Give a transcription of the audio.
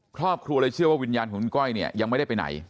ครอบครัวเลยเชื่อว่าวิญญาณของคุณก้อยเนี่ยยังไม่ได้ไปไหน